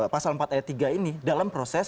pasal empat ayat tiga ini dalam proses